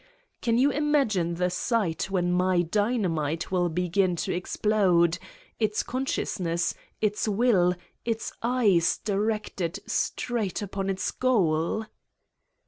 Can you imagine the sight when my dynamite will begin to explode, its consciousness, its will, its eyes directed straight upon its goal?"